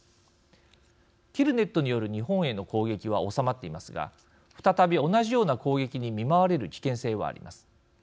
キルネットによる日本への攻撃は収まっていますが再び同じような攻撃に見舞われる危険性はあります。